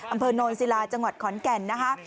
อำเภอโนนศิลาจังหวัดขอนแก่นนะคะ